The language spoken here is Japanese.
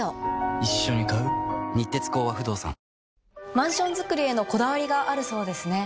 マンション造りへのこだわりがあるそうですね。